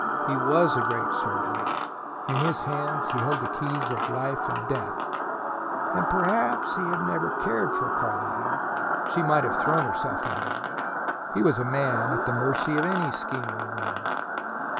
He WAS a great surgeon: in his hands he held the keys of life and death. And perhaps he had never cared for Carlotta: she might have thrown herself at him. He was a man, at the mercy of any scheming woman.